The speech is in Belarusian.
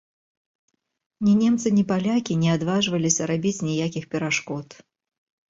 Ні немцы, ні палякі не адважыліся рабіць ніякіх перашкод.